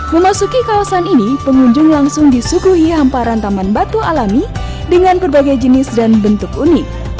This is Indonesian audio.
memasuki kawasan ini pengunjung langsung disuguhi hamparan taman batu alami dengan berbagai jenis dan bentuk unik